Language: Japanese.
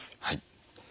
はい。